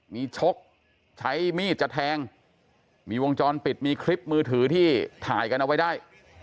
มีชกใช้มีดจะแทงมีวงจรปิดมีคลิปมือถือที่ถ่ายกันเอาไว้ได้